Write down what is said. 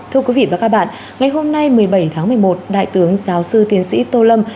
thưa quý vị và các bạn ngày hôm nay một mươi bảy tháng một mươi một đại tướng giáo sư tiến sĩ tô lâm